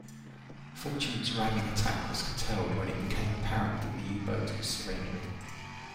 "Fortune"s ramming attack was curtailed when it became apparent that the U-Boat was surrendering.